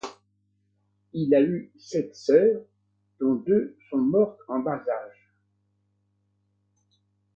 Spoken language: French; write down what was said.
Il a eu sept sœurs dont deux sont mortes en bas âge.